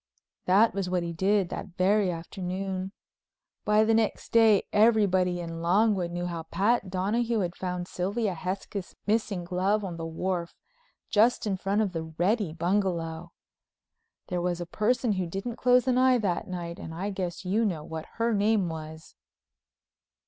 That was what he did, that very afternoon. By the next day everybody in Longwood knew how Pat Donahue had found Sylvia Hesketh's missing glove on the wharf just in front of the Reddy bungalow. There was a person who didn't close an eye that night, and I guess you know what her name was.